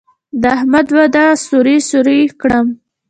د احمد واده سوري سوري کړم.